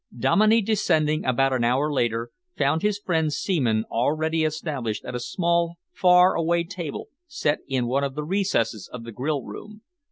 Dominey, descending about an hour later, found his friend Seaman already established at a small, far away table set in one of the recesses of the grill room.